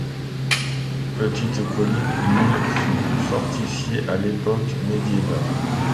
Petite colline, l'île fut fortifiée à l'époque médiévale.